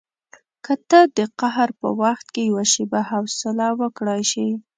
که ته د قهر په وخت کې یوه شېبه حوصله وکړای شې.